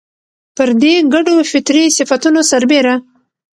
پر دې ګډو فطري صفتونو سربېره